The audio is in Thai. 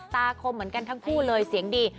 คมเหมือนกันทั้งคู่เลยเสียงดี